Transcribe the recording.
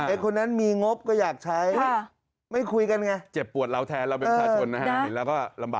ไอ้คนนั้นมีงบก็อยากใช้ไม่คุยกันไงเจ็บปวดเราแทนเราเป็นประชาชนนะครับ